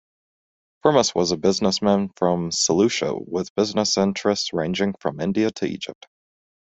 Firmus was a businessman from Seleucia, with business interests ranging from India to Egypt.